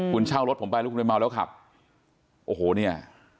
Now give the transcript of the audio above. คุณเช่ารถผมไปแล้วคุณไปเมาแล้วขับโอ้โหเนี่ย